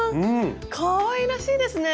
かわいらしいですね！